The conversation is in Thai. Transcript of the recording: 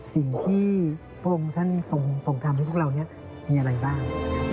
สิ่งที่พระองค์ท่านทรงทำให้พวกเรานี้มีอะไรบ้าง